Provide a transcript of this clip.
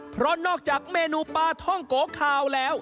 เพราะนอกจากเมนูปลาท่องโกคาวแล้ว